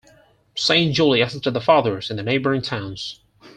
Saint Julie assisted the Fathers in the neighboring towns.